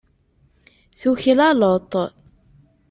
Tuklaleḍ-t.